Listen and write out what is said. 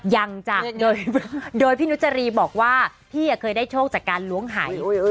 ยังจ้ะโดยพี่นุจรีบอกว่าพี่เคยได้โชคจากการล้วงหาย